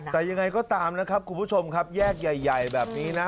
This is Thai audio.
แต่ยังไงก็ตามนะครับคุณผู้ชมครับแยกใหญ่แบบนี้นะ